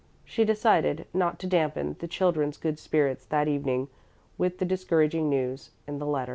She decided not to dampen the children's good spirits that evening with the discouraging news in the letter.